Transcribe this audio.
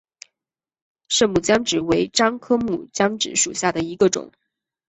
滇木姜子为樟科木姜子属下的一个种。